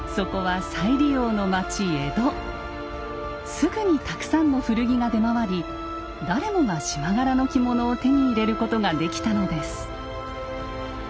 すぐにたくさんの古着が出回り誰もが縞柄の着物を手に入れることができたのです。